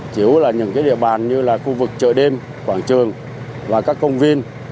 chủ yếu là những địa bàn như là khu vực chợ đêm quảng trường và các công viên